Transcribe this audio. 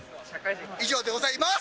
以上でございます。